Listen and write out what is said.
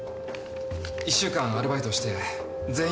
１週間アルバイトをして全員で稼ぎました。